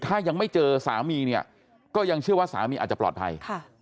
ถ้ายังไม่เจอสามีเนี่ยก็ยังเชื่อว่าสามีอาจจะปลอดภัย